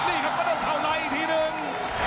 นี่ครับต้องเข้าไรอีกทีนึง